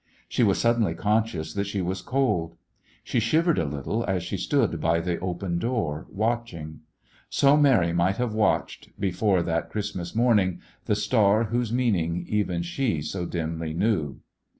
She was suddenly conscious that she was cold. She shivered a little as she stood by the open door, watching. So Mary might have watched, before that Christmas morning, the star whose meaning even she so dimly knew.